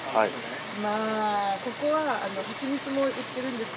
まあここはハチミツも売ってるんです